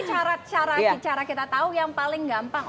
nah itu cara kita tahu yang paling gampang